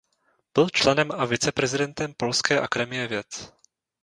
Byl členem a viceprezidentem Polské akademie věd.